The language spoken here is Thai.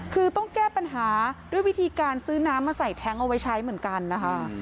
คือต้องแก้ปัญหาด้วยวิธีการซื้อน้ำมาใส่แท้งเอาไว้ใช้เหมือนกันนะคะ